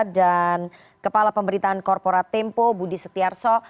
dan kepala pemberitaan korporat tempo budi setiarto